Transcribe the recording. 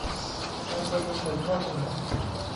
การประมวลผลข้อมูล